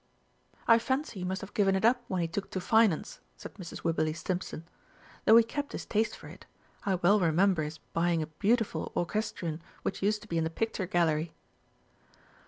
"I fancy he must have given it up when he took to Finance," said Mrs. Wibberley Stimpson, "though he kept his taste for it. I well remember his buying a beautiful orchestrion which used to be in the Picture Gallery."